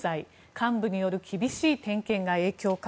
幹部による厳しい点検が影響か。